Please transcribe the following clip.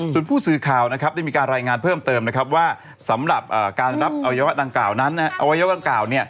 ส่วนผู้สือข่าวได้มีการรายงานเพิ่มเติมว่าสำหรับการรับอุยาฐากล่าว